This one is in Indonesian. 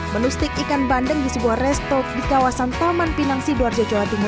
menu stik ikan bandeng di sebuah restok di kawasan taman pinang sibuar jocola tinggi